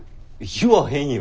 言わへんよ。